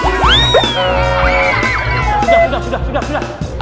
sudah sudah sudah